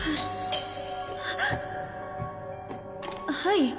はい。